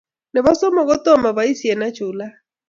Nebo somok komomi boisiet ne chulat